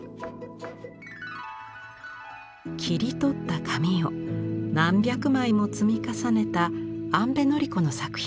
切り取った紙を何百枚も積み重ねた安部典子の作品。